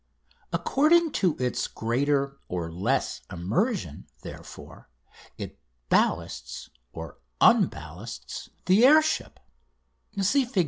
According to its greater or less immersion, therefore, it ballasts or unballasts the air ship (Fig.